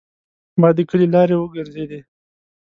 ما د کلي لارې وګرځیدې.